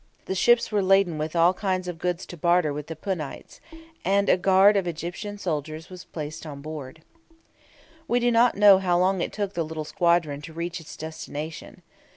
The ships were laden with all kinds of goods to barter with the Punites, and a guard of Egyptian soldiers was placed on board. We do not know how long it took the little squadron to reach its destination.